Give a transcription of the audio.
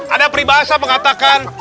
ada peribahasa mengatakan